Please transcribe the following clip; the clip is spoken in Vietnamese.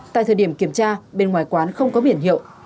tại thời điểm kiểm tra bên ngoài quán không có biển hiệu